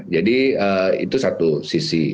jadi itu satu sisi